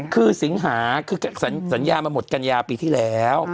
คือสิงหาคือสัญญามันหมดกัญญาปีที่แล้ว